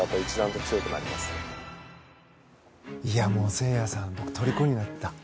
誠也さんのとりこになった。